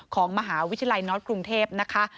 ของมหาวิทยาลัยน็อตกรุงเทพนะคะ